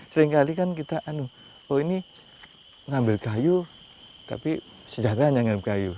seringkali kan kita oh ini ngambil kayu tapi sejahtera hanya ngambil kayu